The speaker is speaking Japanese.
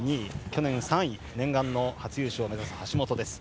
去年３位念願の初優勝を目指す橋本です。